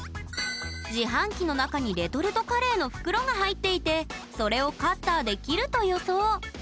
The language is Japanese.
自販機の中にレトルトカレーの袋が入っていてそれをカッターで切ると予想。